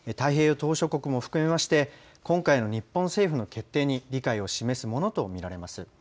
島しょ国を含めまして今回の日本政府の決定に理解を示すものと見られます。